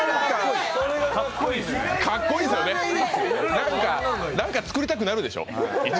かっこいいですよね、なんか作りたくなるでしょ。